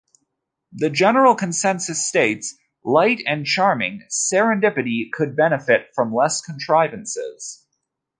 The general consensus states: "Light and charming, "Serendipity" could benefit from less contrivances.